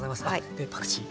でパクチー。